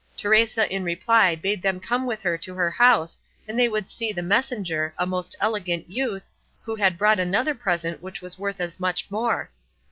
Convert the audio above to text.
Teresa in reply bade them come with her to her house and they would see the messenger, a most elegant youth, who had brought another present which was worth as much more.